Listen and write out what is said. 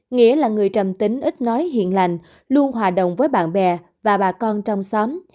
nghĩa là người trầm tính ít nói hiền lành luôn hòa đồng với bạn bè và bà con trong xóm